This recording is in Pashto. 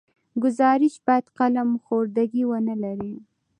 ګزارش باید قلم خوردګي ونه لري.